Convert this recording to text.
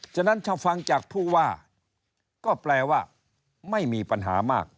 ฉะนั้นถ้าฟังจากผู้ว่าก็แปลว่าไม่มีปัญหามาก